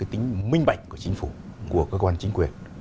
tính minh bạch của chính phủ của cơ quan chính quyền